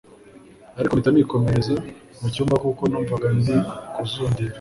ariko mpita nikomereza mu cyumba Kuko numvaga ndi kuzungera